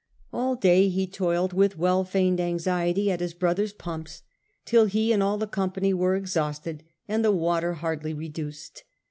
All day he toiled with well feigned anxiety at his brother's pumps till he and all the company were exhausted, and the water hardly reduced.